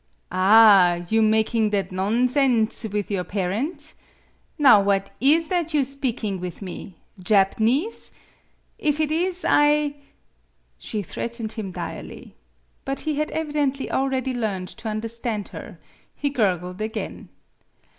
"Ah h h! You making that non sen^e with your parent ? Now what is that you speaking with me ? Jap'nese ? If it is, I" She threatened him direly. But he had evidently already learned to understand her; he gurgled again.